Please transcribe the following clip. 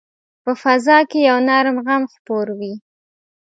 په فضا کې یو نرم غم خپور وي